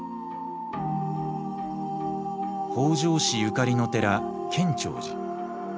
北条氏ゆかりの寺建長寺。